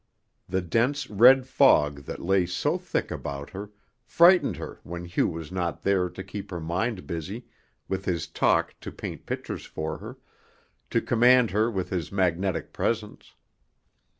The dense red fog that lay so thick about her, frightened her when Hugh was not there to keep her mind busy with his talk to paint pictures for her, to command her with his magnetic presence.